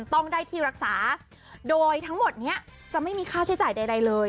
ต้องได้ที่รักษาโดยทั้งหมดนี้จะไม่มีค่าใช้จ่ายใดเลย